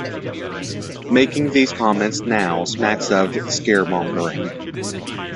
Making these comments now smacks of scaremongering.